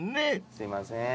すいません。